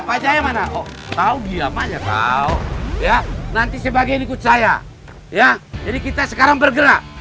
pak cahaya mana oh tahu dia mana tahu ya nanti sebagian ikut saya ya jadi kita sekarang bergerak